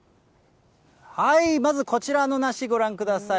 まずこちらの梨、ご覧ください。